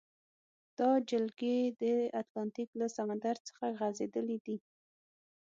دا جلګې د اتلانتیک له سمندر څخه غزیدلې دي.